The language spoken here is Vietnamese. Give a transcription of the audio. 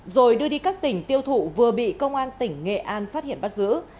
rồi đưa đi các tỉnh tiêu thụ vừa bị công an tỉnh nghệ an phát hiện bắt giữ